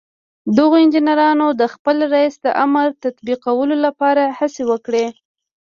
دغو انجنيرانو د خپل رئيس د امر تطبيقولو لپاره هڅې وکړې.